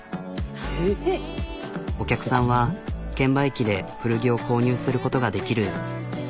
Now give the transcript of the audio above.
お客さんは券売機で古着を購入することができる。